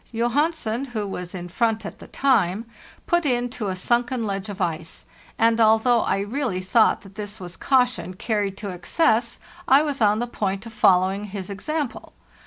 Johansen, who was in front at the time, put in to asunken ledge of ice; and although I really thought that this was caution carried to excess, I was on the point of follow ing his example.